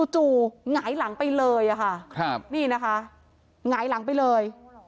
หงายหลังไปเลยค่ะนี่นะคะหงายหลังไปเลย